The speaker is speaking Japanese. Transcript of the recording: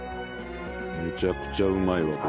むちゃくちゃうまいわこれ。